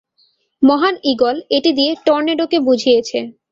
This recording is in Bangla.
মহান ঈগল এটা দিয়ে টর্নেডোকে বুঝিয়েছে।